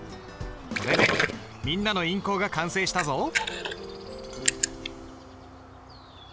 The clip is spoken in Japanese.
これでみんなの印稿が完成したぞ。